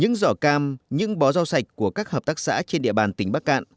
những giỏ cam những bó rau sạch của các hợp tác xã trên địa bàn tỉnh bắc cạn